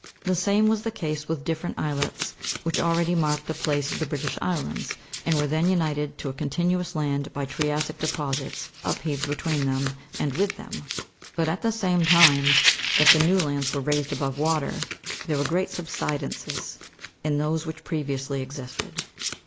The same was the case with different islets which already marked the place of the British islands, and were then united to a continuous land by tria'ssic depo sits upheaved between them, and with them. But at the same time that the new lands were raised above water, there were great subsidences in those which previously existed.